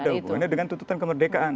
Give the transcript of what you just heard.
ada hubungannya dengan tuntutan kemerdekaan